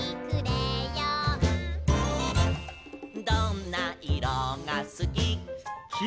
「どんな色がすき」